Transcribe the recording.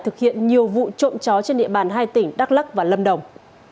thực hiện nhiều vụ trộm chó trên địa bàn hai tỉnh đắk lắc và lâm đồng